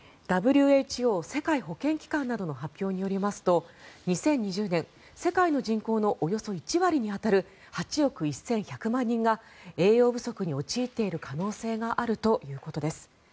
ＷＨＯ・世界保健機関などの発表によりますと２０２０年、世界の人口のおよそ１割に当たる８億１１００万人が栄養不足に陥っている可能性があるということです。